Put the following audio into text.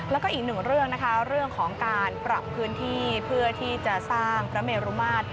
แล้วก็อีกหนึ่งเรื่องนะคะเรื่องของการปรับพื้นที่เพื่อที่จะสร้างพระเมรุมาตร